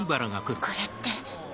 ・これって。